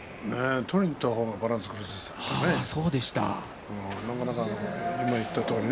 取りにいった方がバランス崩したものね。